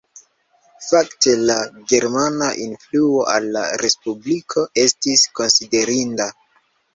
Fakte la germana influo al la respubliko estis konsiderinda.